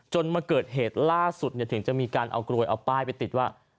มาเกิดเหตุล่าสุดถึงจะมีการเอากลวยเอาป้ายไปติดว่า